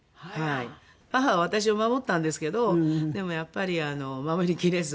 母は私を守ったんですけどでもやっぱり守りきれず。